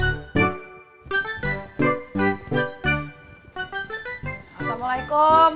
ingat kekasih sigh